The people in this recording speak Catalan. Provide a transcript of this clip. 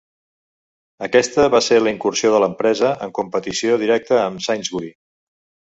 Aquesta va ser la incursió de l'empresa en competició directa amb Sainsbury.